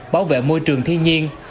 bảo vệ môi trường thi nhiên